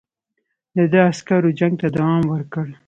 د ده عسکرو جنګ ته دوام ورکړ.